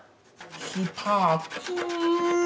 スパーク！